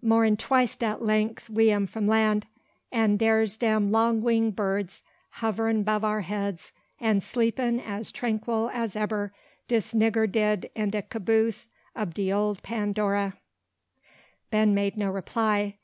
more'n twice dat length we am from land; and dere 's dem long wing birds hov'rin' 'bove our heads, an sleepin' as tranquil as ebber dis nigga did in de caboose ob de ole Pandora." Ben made no reply.